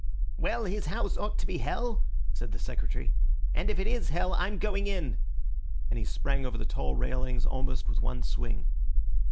"Well, his house ought to be hell!" said the Secretary; "and if it is hell, I'm going in!" and he sprang over the tall railings almost with one swing.